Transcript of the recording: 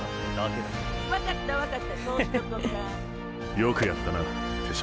よくやったな手嶋。